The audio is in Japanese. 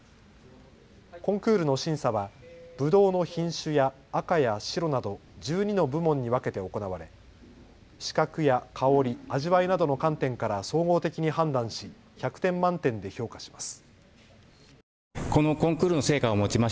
コンクールの審査はぶどうの品種や赤や白など１２の部門に分けて行われ視覚や香り、味わいなどの観点から総合的に判断し１００点満点で評価します。